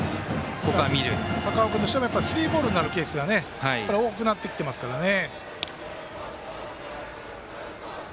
高尾君としてもスリーボールになるケースが多くなってきてますからね。